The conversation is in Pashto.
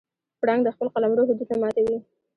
پړانګ د خپل قلمرو حدود نه ماتوي.